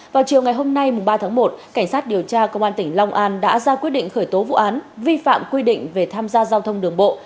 vào chiều ngày hôm nay ba tháng một cảnh sát điều tra công an tỉnh long an đã ra quyết định khởi tố vụ án vi phạm quy định về tham gia giao thông đường bộ